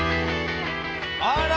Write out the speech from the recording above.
あら！